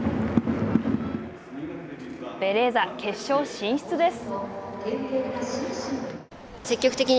ベレーザ、決勝進出です。